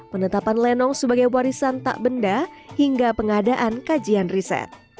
penetapan lenong sebagai warisan tak benda hingga pengadaan kajian riset